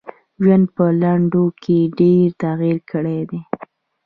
ژوند په لنډو کي ډېر تغیر کړی دی .